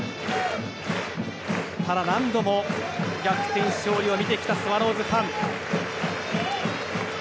ただ、何度も逆転勝利を見てきたスワローズファン。